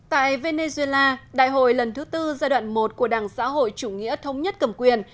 tại venezuela đại hội lần thứ tư giai đoạn một của đảng xã hội chủ nghĩa thống nhất cầm quyền